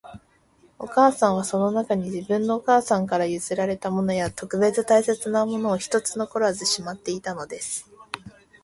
お母さんは、その中に、自分のお母さんから譲られたものや、特別大切なものを一つ残らずしまっていたのです